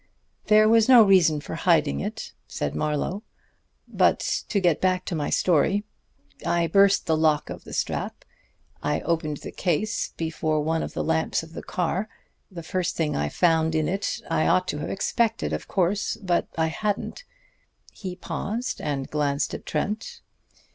"There was no reason for hiding it," said Marlowe. "But to get back to my story. I burst the lock of the strap. I opened the case before one of the lamps of the car. The first thing I found in it I ought to have expected, of course; but I hadn't." He paused and glanced at Trent.